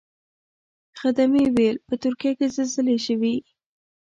خدمې ویل په ترکیه کې زلزلې شوې.